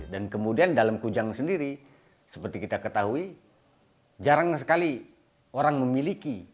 dan kemudian dalam kujang sendiri seperti kita ketahui jarang sekali orang memiliki